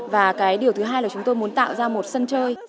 và cái điều thứ hai là chúng tôi muốn tạo ra một sân chơi